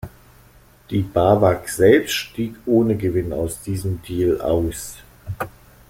Die Bawag selbst stieg ohne Gewinn aus diesem Deal aus.